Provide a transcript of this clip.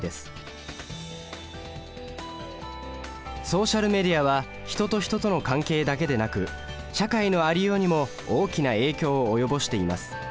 ソーシャルメディアは人と人の関係だけでなく社会のありようにも大きな影響を及ぼしています。